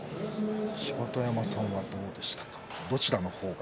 芝田山さんはどうでしたか？